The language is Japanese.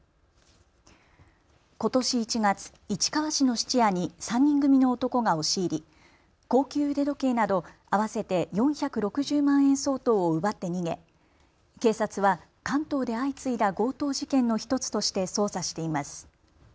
ことし１月、市川市の質屋に３人組の男が押し入り高級腕時計など合わせて４６０万円相当を奪って逃げ警察は関東で相次いだ強盗事件の１つとして捜査しています。